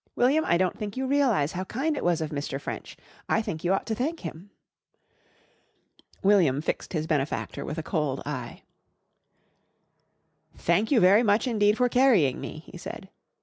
William, I don't think you realise how kind it was of Mr. French. I think you ought to thank him." William fixed his benefactor with a cold eye. "Thank you very much indeed for carrying me," he said.